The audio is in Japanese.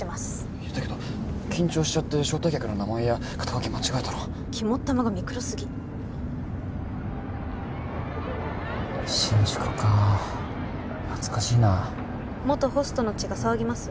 いやだけど緊張しちゃって招待客の名前や肩書間違えたら肝っ玉がミクロすぎ新宿か懐かしいな元ホストの血が騒ぎます？